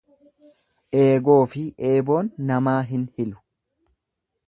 Eegoofi eeboon namaa hin hilu.